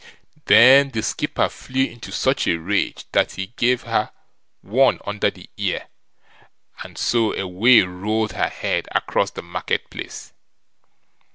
Then the skipper flew into such a rage that he gave her one under the ear, and so away rolled her head across the market place.